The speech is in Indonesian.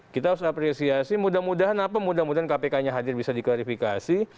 kita harus apresiasi mudah mudahan kpk nya hadir bisa diklarifikasi